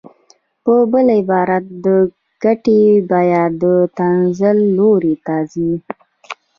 په بل عبارت د ګټې بیه د تنزل لوري ته ځي